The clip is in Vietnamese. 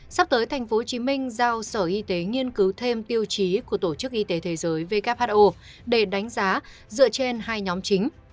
sắp tới tp hcm giao sở y tế nghiên cứu thêm tiêu chí của tổ chức y tế thế giới who để đánh giá dựa trên hai nhóm chính